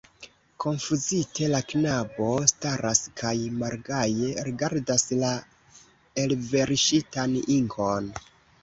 Konfuzite la knabo staras kaj malgaje rigardas la elverŝitan inkon.